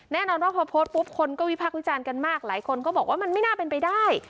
แน่นอนว่าพอโพสต์ปุ๊บคนก็วิพักษ์วิจารณ์กันมากหลายคนก็บอกว่ามันไม่น่าเป็นไปได้